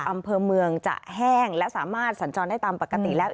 อำเภอเมืองจะแห้งและสามารถสัญจรได้ตามปกติแล้ว